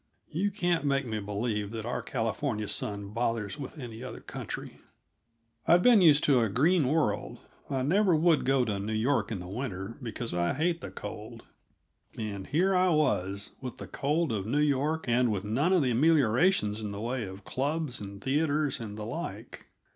(You can't make me believe that our California sun bothers with any other country.) I'd been used to a green world; I never would go to New York in the winter, because I hate the cold and here I was, with the cold of New York and with none of the ameliorations in the way of clubs and theaters and the like.